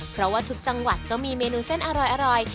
เพราะว่าทุกจังหวัดก็มีเมนูเส้นอร่อย